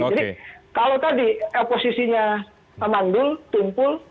jadi kalau tadi oposisinya mandul tumpul